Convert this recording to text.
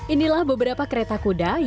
inilah beberapa kereta kuda